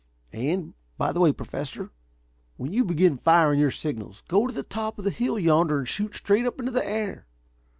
And, by the way, Professor, when you begin firing your signals, go to the top of the hill yonder and shoot straight up into the air.